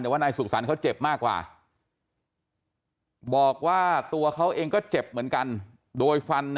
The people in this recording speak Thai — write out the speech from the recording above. แต่ว่าในสุขศรเขาเจ็บมากกว่าบอกว่าตัวเขาเองก็เจ็บเหมือนกัน